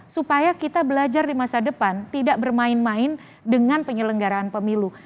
supaya kita belajar di masa depan tidak bermain main dengan penyelenggaraan pemilu